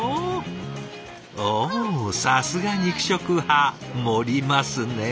おさすが肉食派盛りますねぇ！